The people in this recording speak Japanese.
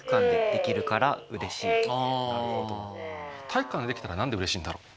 体育館でできたら何でうれしいんだろう？